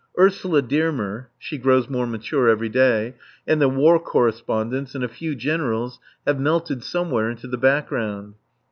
Ursula Dearmer (she grows more mature every day) and the War Correspondents and a few Generals have melted somewhere into the background.